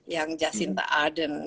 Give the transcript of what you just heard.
yang jacinta ardern